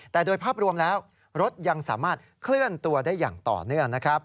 แต่โดยภาพรวมแล้วรถยังสามารถเคลื่อนตัวได้อย่างต่อเนื่องนะครับ